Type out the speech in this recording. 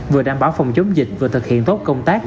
vừa đảm bảo phòng chống dịch vừa thực hiện tốt công tác